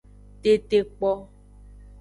Tetekpo.